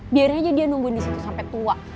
biar aja dia nungguin disitu sampai tua